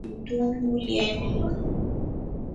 Mtuumbulyeni.